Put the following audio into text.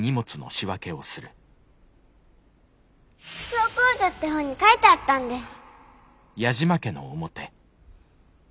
「小公女」って本に書いてあったんです。